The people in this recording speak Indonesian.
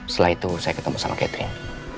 setelah itu saya ketemu sama catering